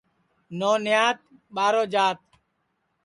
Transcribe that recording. نو نیات ٻارو جات